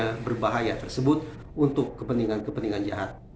mereka juga menyalahgunakan zat kimia berbahaya tersebut untuk kepentingan kepentingan jahat